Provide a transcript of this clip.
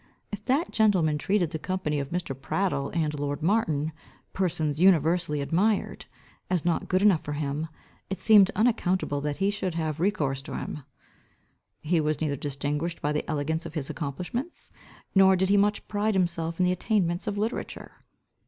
If that gentleman treated the company of Mr. Prattle and lord Martin, persons universally admired, as not good enough for him, it seemed unaccountable that he should have recourse to him. He was neither distinguished by the elegance of his accomplishments, nor did he much pride himself in the attainments of literature.